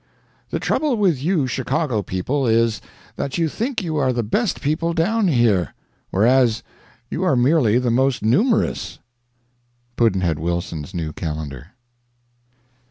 The trouble with you Chicago people is, that you think you are the best people down here; whereas you are merely the most numerous. Pudd'nhead Wilson's New Calendar.